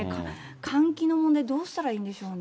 換気の問題、どうしたらいいんでしょうね。